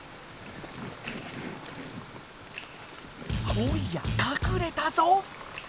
おや隠れたぞ！